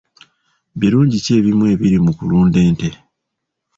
Birungi ki ebimu ebiri mu kulunda ente?